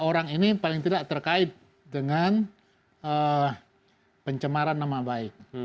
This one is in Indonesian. dua orang ini paling tidak terkait dengan pencemaran nama baik